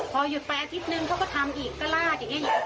พอหยุดไปอาทิตย์นึงเขาก็ทำอีกก็ลากอย่างเงี้ยตลอดเวลา